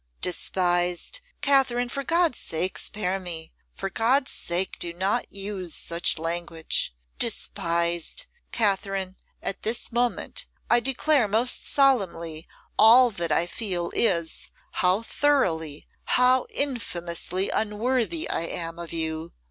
'Despised! Katherine, for God's sake, spare me; for God's sake, do not use such language! Despised! Katherine, at this moment I declare most solemnly all that I feel is, how thoroughly, how infamously unworthy I am of you!